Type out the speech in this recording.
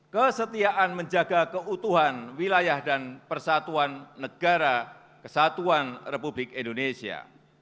kesetiaan menjaga keutuhan wilayah dan persatuan negara kesatuan republik indonesia